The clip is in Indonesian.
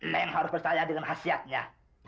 kau harus percaya dengan khasiatnya